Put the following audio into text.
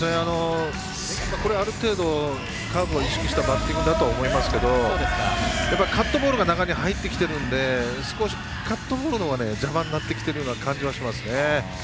ある程度、カーブを意識したバッティングだと思いますけどカットボールが中に入ってきているんで少しカットボールのほうが邪魔になってきているような感じがしますね。